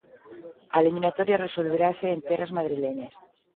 A eliminatoria resolverase en terras madrileñas.